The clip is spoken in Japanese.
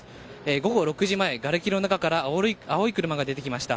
午後６時前、がれきの中から青い車が出てきました。